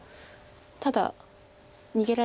ただ逃げられて。